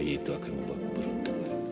bayi itu akan membuatku beruntung